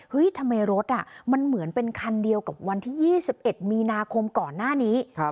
ทำไมรถมันเหมือนเป็นคันเดียวกับวันที่๒๑มีนาคมก่อนหน้านี้